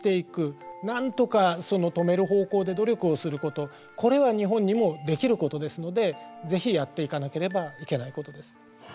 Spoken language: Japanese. なんとか止める方向で努力をすることこれは日本にもできることですのでぜひやっていかなければいけないことです。